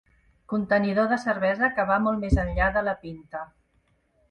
Contenidor de cervesa que va molt més enllà de la pinta.